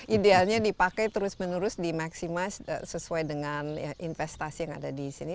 idealnya dipakai terus menerus di maksimis sesuai dengan investasi yang ada di sini